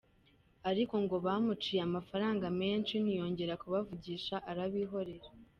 Ariko ngo bamuciye amafaranga menshi ntiyongera kubavugisha, arabihorera.